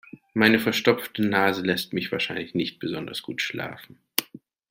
Meine verstopfte Nase lässt mich wahrscheinlich nicht besonders gut schlafen.